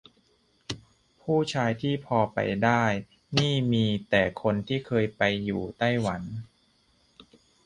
ผู้ชายที่พอไปได้นี่มีแต่คนที่เคยไปอยู่ไต้หวัน